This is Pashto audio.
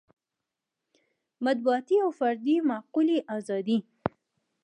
مطبوعاتي او فردي معقولې ازادۍ.